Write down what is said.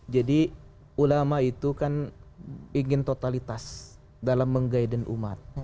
jadi ulama itu kan ingin totalitas dalam menggaiden umat